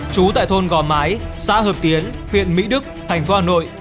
trú tại thôn gò mái xã hợp tiến huyện mỹ đức thành phố hà nội